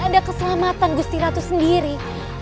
ada keselamatan gusti ratu sendiri